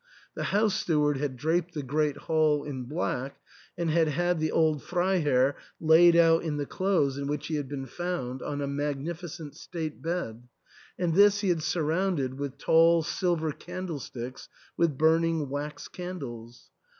The house steward had draped the great hall in black, and had had the old Freiherr laid out in the clothes in which he had been found, on a magnificent state bed, and this he had surrounded with tall silver candlesticks with burning wax candles.